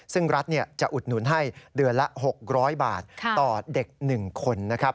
ซึ่งรัฐจะอุดหนุนให้เดือนละ๖๐๐บาทต่อเด็ก๑คนนะครับ